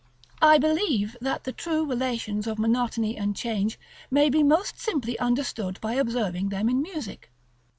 § XXXIII. I believe that the true relations of monotony and change may be most simply understood by observing them in music.